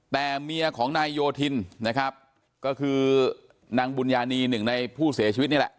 แต่เมียของนายโยธินนะครับก็คือนางบุญญานีหนึ่งในผู้เสียชีวิตนี่แหละ